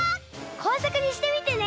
こうさくにしてみてね！